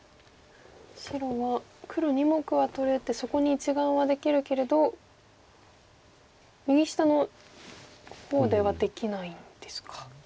白は黒２目は取れてそこに１眼はできるけれど右下の方ではできないんですか。